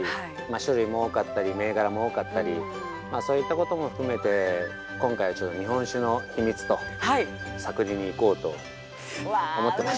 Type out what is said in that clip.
種類も多かったり銘柄も多かったりそういったことも含めて今回はちょっと、日本酒の秘密を探りに行こうと思っています。